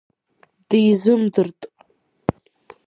Дизымдырт.